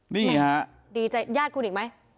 นี่ฮะดีใจญาติคุณอีกไหม